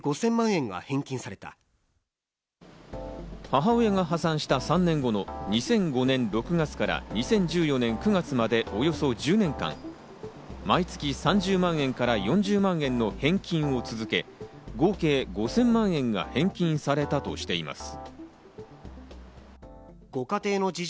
母親が破産した３年後の２００５年６月から２０１４年９月までおよそ１０年間、毎月３０万円から４０万円の返金を続け、合計５０００万円が返金されたとしています。